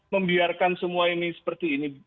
membiarkan semua ini seperti ini